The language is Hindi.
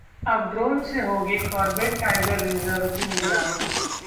अब ड्रोन से होगी कॉर्बेट टाइगर रिजर्व की निगरानी